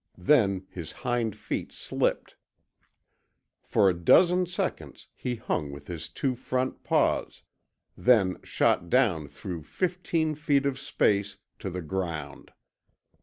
Then his hind feet slipped. For a dozen seconds he hung with his two front paws then shot down through fifteen feet of space to the ground.